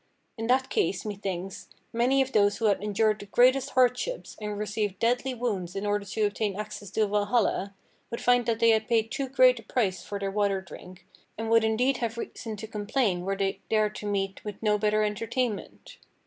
In that case, methinks, many of those who had endured the greatest hardships, and received deadly wounds in order to obtain access to Valhalla, would find that they had paid too great a price for their water drink, and would indeed have reason to complain were they there to meet with no better entertainment.